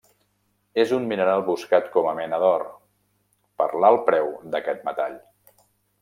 És un mineral buscat com a mena d'or, per l'alt preu d'aquest metall.